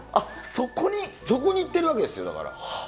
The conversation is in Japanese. そこにいってるわけですよ、だから。